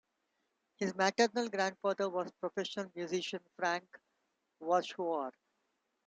His maternal grandfather was professional musician Frank Warshauer.